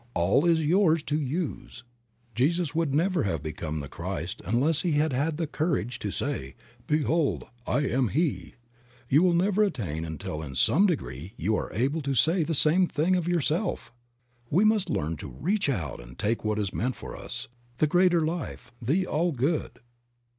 All is yours to use. Jesus would never have become the Christ unless he had had the courage to say, "Behold, / Am He! } You will never attain until in some degree you are able to say the same thing of yourself. We must learn to reach out and take what is meant for us, the greater life, the all good.